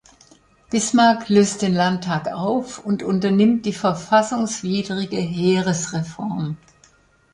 Bismarck löst den Landtag auf und unternimmt die verfassungswidrige Heeresreform.